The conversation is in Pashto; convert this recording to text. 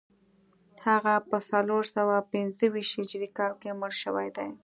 هغه په څلور سوه پنځه ویشت هجري کال کې مړ شوی دی